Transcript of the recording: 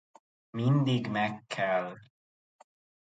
Mindig meg kell